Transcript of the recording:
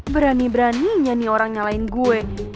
berani beraninya nih orang yang lain gue